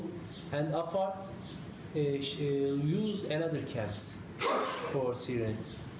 dan afad akan menggunakan kamp lain untuk pengunjung suriah